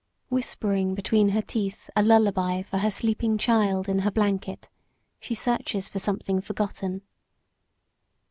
Whispering between her teeth a lullaby for her sleeping child in her blanket, she searches for something forgotten.